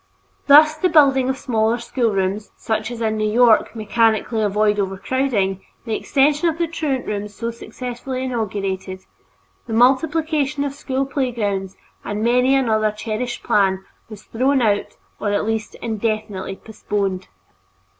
Thus the building of smaller schoolrooms, such as in New York mechanically avoid overcrowding, the extension of the truant rooms so successfully inaugurated, the multiplication of school playgrounds, and many another cherished plan was thrown out or at least indefinitely postponed.